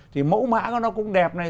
thì mẫu mã nó cũng đẹp này